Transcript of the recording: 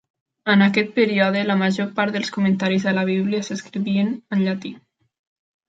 En aquest període, la major part dels comentaris a la Bíblia s'escrivien en llatí.